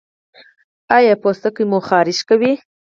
ایا پوستکی مو خارښ کوي؟